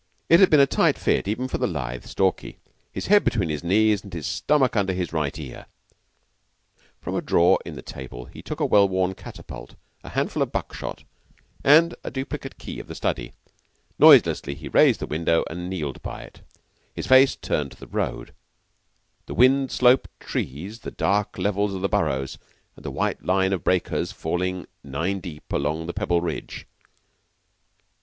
It had been a tight fit, even for the lithe Stalky, his head between his knees, and his stomach under his right ear. From a drawer in the table he took a well worn catapult, a handful of buckshot, and a duplicate key of the study; noiselessly he raised the window and kneeled by it, his face turned to the road, the wind sloped trees, the dark levels of the Burrows, and the white line of breakers falling nine deep along the Pebbleridge.